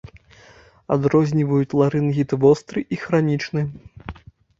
Адрозніваюць ларынгіт востры і хранічны.